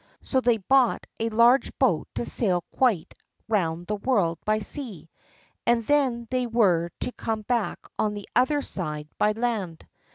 So they bought a large boat to sail quite round the world by sea, and then they were to come back on the other side by land.